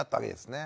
ね